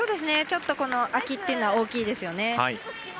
ちょっと空きというのは大きいですよね。